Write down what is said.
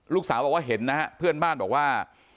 ลูกสาวบอกว่าเห็นนะฮะเพื่อนบ้านบอกว่า